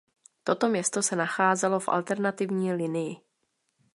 Toto město se nacházelo v alternativní linii.